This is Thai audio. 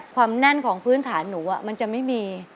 แน่นของพื้นฐานหนูมันจะไม่มี